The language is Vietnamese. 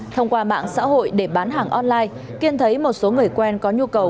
thông qua mạng xã hội để bán hàng online kiên thấy một số người quen có nhu cầu